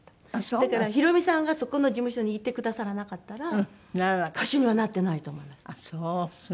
だから宏美さんがそこの事務所にいてくださらなかったら歌手にはなってないと思います。